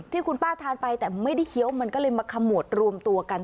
ที่คุณป้าทานไปแต่ไม่ได้เคี้ยวมันก็เลยมาขมวดรวมตัวกัน